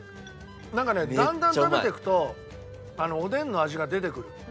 なんかねだんだん食べていくとおでんの味が出てくる。